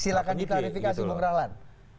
silahkan diklarifikasi bung ralan